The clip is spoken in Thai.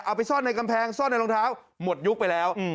เอาไปซ่อนในกำแพงซ่อนในรองเท้าหมดยุคไปแล้ว